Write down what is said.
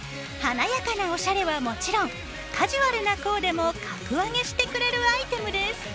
華やかなおしゃれはもちろんカジュアルなコーデも格上げしてくれるアイテムです。